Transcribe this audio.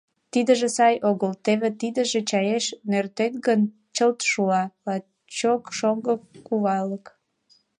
Тидыже сай огыл, теве тидыже, чаеш нӧртет гын, чылт шула, лачак шоҥго кувалык.